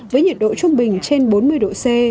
với nhiệt độ trung bình trên bốn mươi độ c